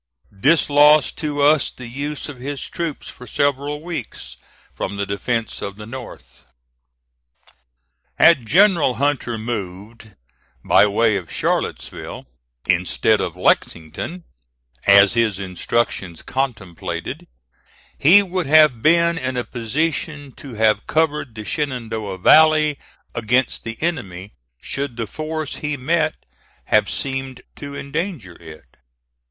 This lost to us the use of his troops for several weeks from the defence of the North. Had General Hunter moved by way of Charlottesville, instead of Lexington, as his instructions contemplated, he would have been in a position to have covered the Shenandoah Valley against the enemy, should the force he met have seemed to endanger it.